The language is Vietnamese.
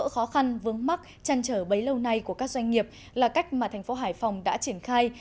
những khó khăn vướng mắt chăn trở bấy lâu nay của các doanh nghiệp là cách mà thành phố hải phòng đã triển khai